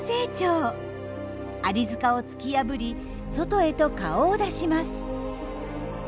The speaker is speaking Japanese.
アリ塚を突き破り外へと顔を出します。